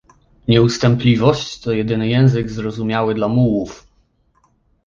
Nieustępliwość to jedyny język zrozumiały dla mułłów